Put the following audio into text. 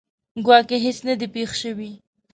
ګواکې هیڅ نه ده پېښه شوې.